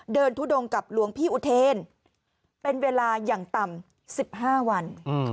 ทุดงกับหลวงพี่อุเทนเป็นเวลาอย่างต่ำ๑๕วัน